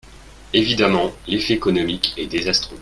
Évidemment, l’effet économique est désastreux